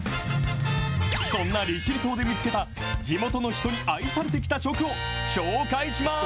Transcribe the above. そんな利尻島で見つけた、地元の人に愛されてきた食を紹介します。